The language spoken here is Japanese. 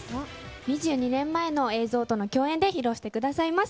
２２年前の映像との共演で披露してくださいます。